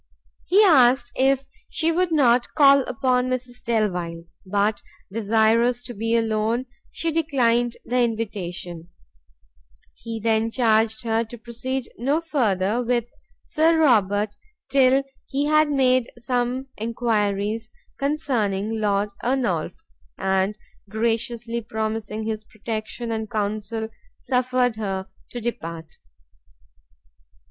He asked her if she would not call upon Mrs Delvile; but desirous to be alone, she declined the invitation; he then charged her to proceed no further with Sir Robert till he had made some enquiries concerning Lord Ernolf, and graciously promising his protection and counsel, suffered her to depart.